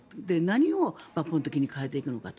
何を抜本的に変えていくのか。